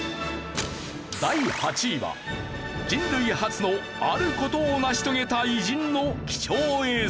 第８位は人類初のある事を成し遂げた偉人の貴重映像。